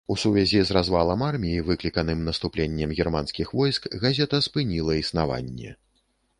У сувязі з развалам арміі, выкліканым наступленнем германскіх войск, газета спыніла існаванне.